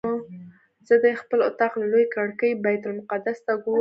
زه د خپل اطاق له لویې کړکۍ بیت المقدس ته ګورم.